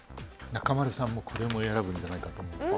中丸さんもこれを選ぶんじゃないかと思います。